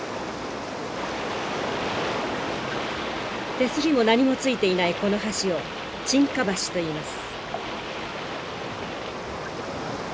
手すりも何もついていないこの橋を沈下橋といいます。